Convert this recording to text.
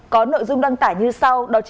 có nội dung đăng tải như sau